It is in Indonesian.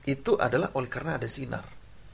itu adalah oleh karena ada sinar